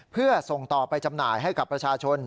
เพื่อส่งต่อไปจำหน่ายให้กับประชาชน